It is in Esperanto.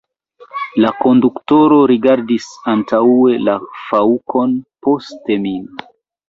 La konduktoro rigardis antaŭe la faŭkon, poste min.